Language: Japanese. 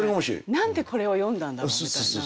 何でこれを詠んだんだろうみたいな。